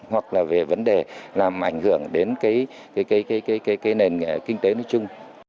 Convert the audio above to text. hoặc là về vấn đề làm ảnh hưởng đến nền kinh tế nói chung